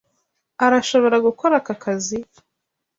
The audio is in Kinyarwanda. Arashobora gukora aka kazi?